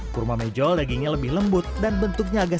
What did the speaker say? kurma mejol dagingnya lebih lembut dan bentuknya agak